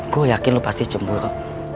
gue yakin lo pasti jempol